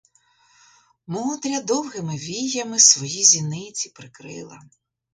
Мотря довгими віями свої зіниці прикрила.